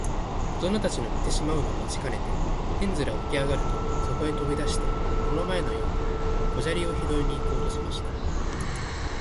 おとなたちの寝てしまうのを待ちかねて、ヘンゼルはおきあがると、そとへとび出して、この前のように小砂利をひろいに行こうとしました。